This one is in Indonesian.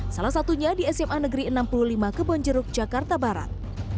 salah satunya di sma negeri enam puluh lima kebonjeruk jakarta barat